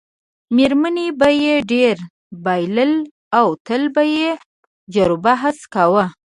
میرمنې به یې ډېری بایلل او تل به یې جروبحث کاوه.